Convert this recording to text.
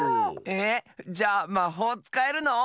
えっじゃあまほうつかえるの？